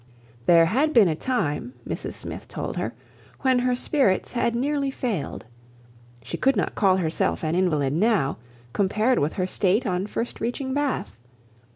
There had been a time, Mrs Smith told her, when her spirits had nearly failed. She could not call herself an invalid now, compared with her state on first reaching Bath.